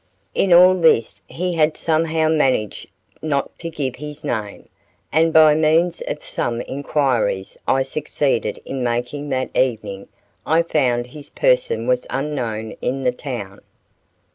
In all this he had somehow managed not to give his name; and by means of some inquiries I succeeded in making that evening, I found his person was unknown in the town.